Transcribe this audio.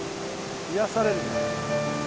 癒やされるな。